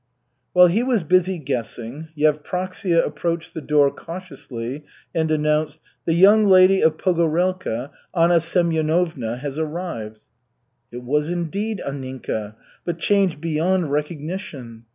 While he was busy guessing, Yevpraksia approached the door cautiously and announced: "The young lady of Pogorelka, Anna Semyonovna, has arrived." It was indeed Anninka, but changed beyond recognition.